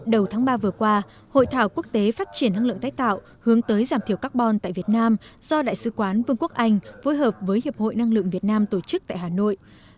đầu tháng ba vừa qua hội thảo quốc tế phát triển năng lượng tái tạo hướng tới giảm thiểu carbon tại việt nam do đại sứ quán vương quốc anh phối hợp với hiệp hội năng lượng việt nam tổ chức tại hà nội